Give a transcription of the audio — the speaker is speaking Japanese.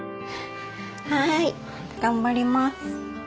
はい頑張ります。